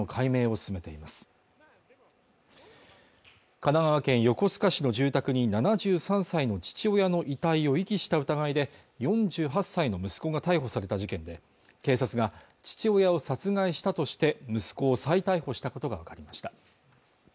神奈川県横須賀市の住宅に７３歳の父親の遺体を遺棄した疑いで４８歳の息子が逮捕された事件で警察が父親を殺害したとして息子を再逮捕したことが分かりました